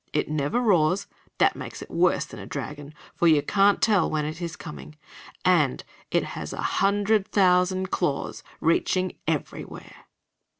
It never roars that makes it worse than a dragon, for you can't tell when it is coming. And it has a hundred thousand claws reaching everywhere."